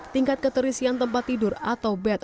tingkat keterisian tempat tidur atau bed